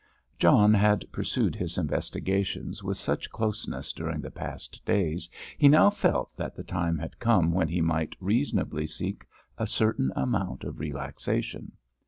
John had pursued his investigations with such closeness during the past days, he now felt that the time had come when he might reasonably seek a certain amount of relaxation.